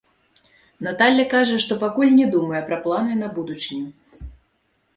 Наталля кажа, што пакуль не думае пра планы на будучыню.